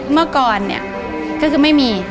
เมื่อก่อนเนี่ยก็คือไม่มี